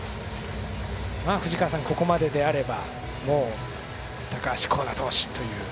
藤川さん、ここまでであればもう高橋光成投手という。